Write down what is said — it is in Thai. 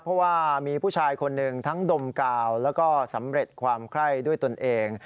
เพราะว่ามีผู้ชายคนหนึ่งทั้งดมกาวแล้วก็สำเร็จความไข้ด้วยตนเอง